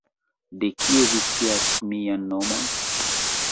De kie vi scias mian nomon?